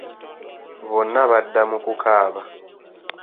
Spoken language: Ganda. Bonna badda mu kukaaba.